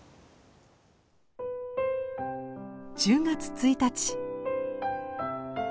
１０月１日。